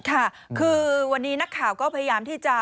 ค่ะคือวันนี้นักข่าวก็พยายามที่จะ